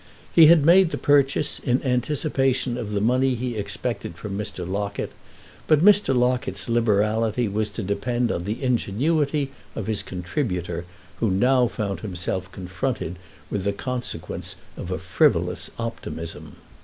He had made the purchase in anticipation of the money he expected from Mr. Locket, but Mr. Locket's liberality was to depend on the ingenuity of his contributor, who now found himself confronted with the consequence of a frivolous optimism.